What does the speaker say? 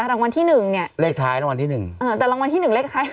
รางวัลที่หนึ่งเนี่ยเลขท้ายรางวัลที่หนึ่งเออแต่รางวัลที่หนึ่งเลขท้าย